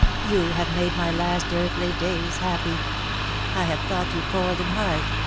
"■ You have made my last earthly days happy. I have thought you cold and hard.